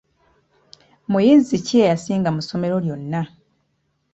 Muyizi ki eyasinga mu ssomero lyonna?